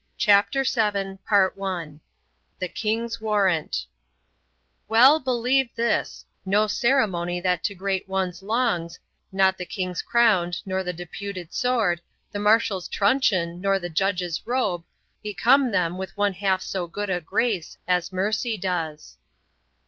CHAPTER VII THE KING'S WARRANT Well, believe this No ceremony that to great ones 'longs, Not the king's crown, nor the deputed sword, The marshal's truncheon, nor the judge's robe, Become them with one half so good a grace, As mercy does.